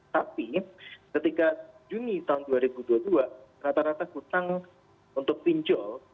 tapi ketika juni tahun dua ribu dua puluh dua rata rata hutang untuk pinjol